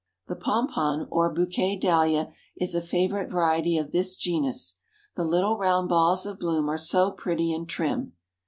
The Pompon, or Bouquet Dahlia is a favorite variety of this genus. The little round balls of bloom are so pretty and trim.